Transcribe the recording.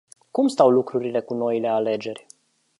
Cum stau lucrurile cu noile alegeri?